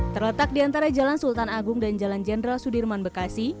terletak di antara jalan sultan agung dan jalan jenderal sudirman bekasi